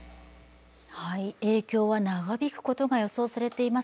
影響は長引くことが予想されています。